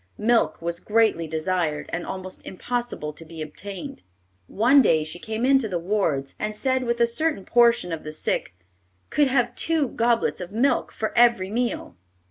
Milk was greatly desired, and almost impossible to be obtained. One day she came into the wards, and said that a certain portion of the sick "could have two goblets of milk for every meal."